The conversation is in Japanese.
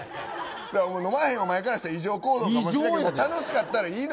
飲まへんお前からしたら異常行動かもしれへんけど楽しかったらいいのよ。